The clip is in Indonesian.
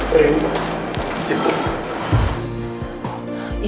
terima kasih bu